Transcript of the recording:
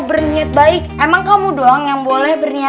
erak eraik ginjil rela